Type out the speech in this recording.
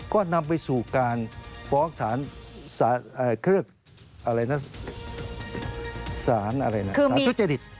ก็นำไปสู่การฟ้องสารอะไรนะสารทุตเจษ